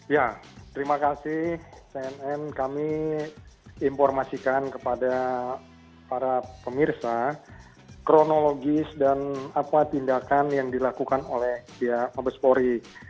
ya terima kasih cnn kami informasikan kepada para pemirsa kronologis dan apa tindakan yang dilakukan oleh pihak mabespori